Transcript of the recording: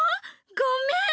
ごめん！